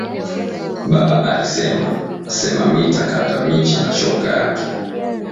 Baba ari sema asema mita kata michi na shoka yake